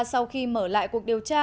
sau khi mở lại cuộc điều tra